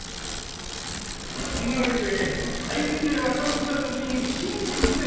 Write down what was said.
そんな訳で大金で落札した土地に普請もできません。